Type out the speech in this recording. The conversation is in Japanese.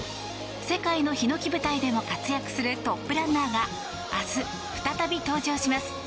世界の檜舞台でも活躍するトップランナーが明日、再び登場します。